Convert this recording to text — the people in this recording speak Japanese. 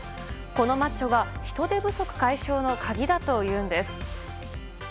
このマッチョが人手不足解消の鍵だというんです。